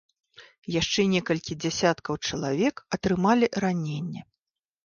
Яшчэ некалькі дзесяткаў чалавек атрымалі раненні.